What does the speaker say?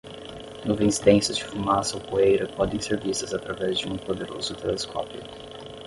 Nuvens densas de fumaça ou poeira podem ser vistas através de um poderoso telescópio.